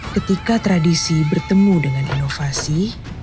ketika tradisi bertemu dengan inovasi